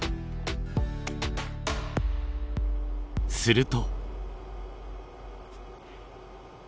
すると。